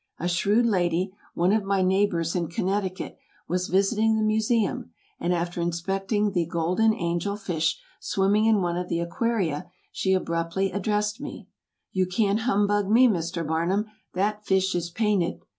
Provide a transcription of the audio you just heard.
A shrewd lady, one of my neighbors in Connecticut, was visiting the Museum, and after inspecting the "Golden Angel Fish" swimming in one of the aquaria, she abruptly addressed me: "You can't humbug me, Mr. Barnum; that fish is painted!"